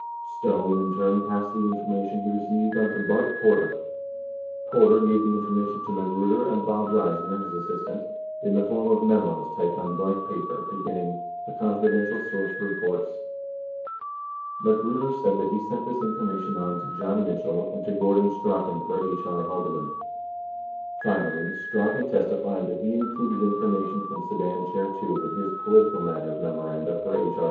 75 Stone in turn passed the information he received on to Bart Porter. 76 Porter gave the information to Magruder and Bob Reisner, his assist ant, in the form of memos typed on blank paper beginning "a confi dential source reports." 77 Magruder said that he sent this information on to John Mitchell and to Gordon Strachan for H. R. Haldeman. 78 Finally, Strachan testified that he included information from Sedan Chair II in his "political matters" memoranda for H.R.